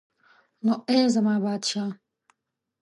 نو ای زما پادشاه.